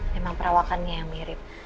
memang perawakannya yang mirip